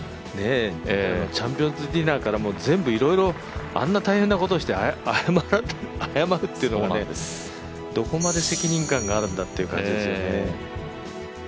チャンピオンズディナーから全部、いろいろあんな大変なことをして謝ってどこまで責任感があるんだっていう感じですよね。